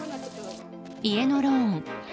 家のローン月